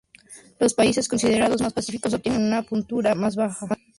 Los países considerados más pacíficos obtienen una puntuación más baja.